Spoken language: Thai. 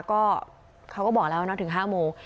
ก็เขาก็บอกแล้วนะถึง๕โมง